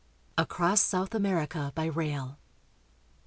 ACROSS SOUTH AMERICA BY RAIL.